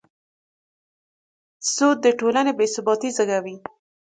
سود د ټولنې بېثباتي زېږوي.